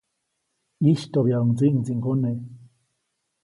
ʼYistyoʼbyaʼuŋ ndsiʼŋdsiŋgone.